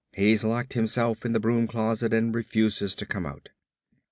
He's locked himself in the broom closet and refuses to come out.